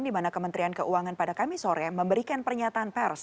di mana kementerian keuangan pada kamis sore memberikan pernyataan pers